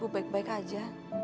bu baik baik aja